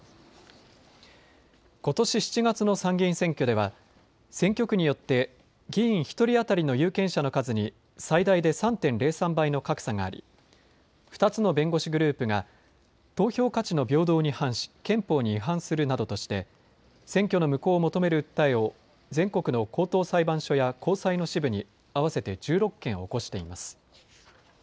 ことし７月の参議院選挙では選挙区によって議員１人当たりの有権者の数に最大で３．０３倍の格差があり２つの弁護士グループが投票価値の平等に反し憲法に違反するなどとして選挙の無効を求める訴えを全国の高等裁判所や高裁の支部に合わせて１６件起こしています。